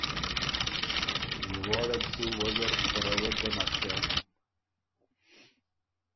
لواړه ل سُو وۀ زر تَرَوَک ګۀ نک سېم